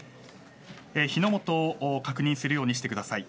火の元を確認するようにしてください。